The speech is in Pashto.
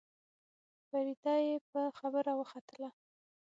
فريده يې په خبره وختله.